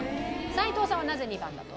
齋藤さんはなぜ２番だと？